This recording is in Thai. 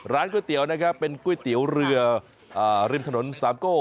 ก๋วยเตี๋ยวนะครับเป็นก๋วยเตี๋ยวเรือริมถนนสามโก้